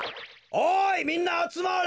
おいみんなあつまれ！